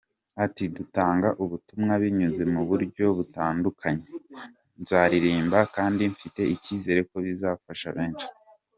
Ati “Dutanga ubutumwa binyuze mu buryo butandukanye, nzaririmba kandi mfite icyizere ko bizafasha benshi.